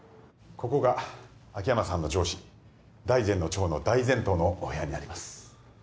ここが秋山さんの上司大膳の長の大膳頭のお部屋になります